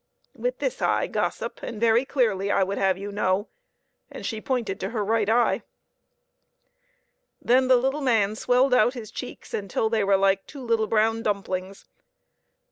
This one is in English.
With this eye, gossip, and very clearly, I would have you know," and she pointed to her right eye. Then the little man swelled out his cheeks until they were like two little brown dump lings.